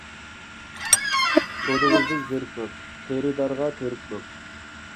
سودىڭىزدىن زېرىكمەڭ، خېرىدارغا تېرىكمەڭ.